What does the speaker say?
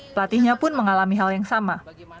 pelatihnya pun mengalami hal yang sama